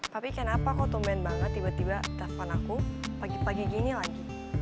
papi kenapa kau tumben banget tiba tiba telfon aku pagi pagi gini lagi